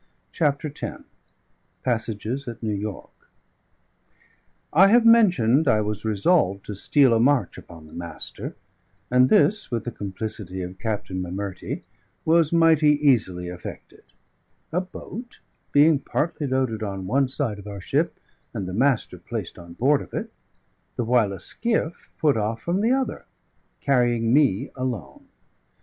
CHAPTER X PASSAGES AT NEW YORK I have mentioned I was resolved to steal a march upon the Master; and this, with the complicity of Captain M'Murtrie, was mighty easily effected: a boat being partly loaded on the one side of our ship, and the Master placed on board of it, the while a skiff put off from the other, carrying me alone.